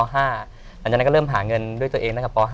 หลังจากนั้นก็เริ่มหาเงินด้วยตัวเองตั้งแต่ป๕